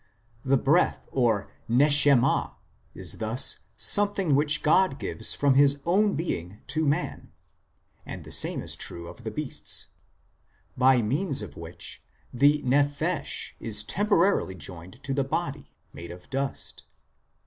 The breath, or neshamah, is thus something which God gives from His own Being to man (and the same is true of the beasts) by means of which the nephesh is (temporarily) joined to the body, made of dust.